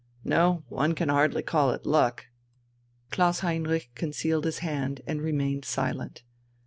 No, one can hardly call it luck...." Klaus Heinrich concealed his hand and remained silent.